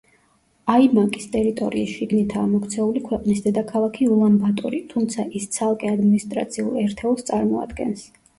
აიმაკის ტერიტორიის შიგნითაა მოქცეული ქვეყნის დედაქალაქი ულან-ბატორი, თუმცა ის ცალკე ადმინისტრაციულ ერთეულს წარმოადგენს.